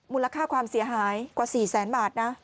มูลค่าความเสียหายกว่า๔แสนบาทนะ